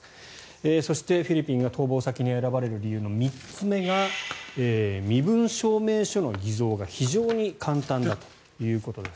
そして、フィリピンが逃亡先に選ばれる理由の３つ目が身分証明書の偽造が非常に簡単だということです。